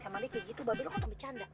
emang dia kayak gitu babe lo kok nge becanda